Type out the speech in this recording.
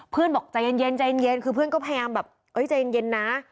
เพื่อนบอกใจเย็นคือเพื่อนก็พยายามแบบเอ้ยใจเย็นนะ